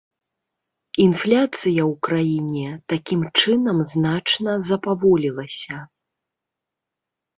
Інфляцыя ў краіне такім чынам значна запаволілася.